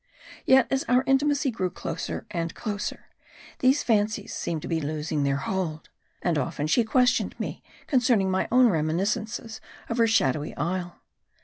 Yet as our intimacy grew closer and closer, these fancies seemed to be losing their hold. And often she questioned me concerning my own reminiscences of her shadowy isle.